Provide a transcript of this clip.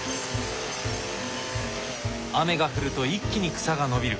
雨が降ると一気に草が伸びる。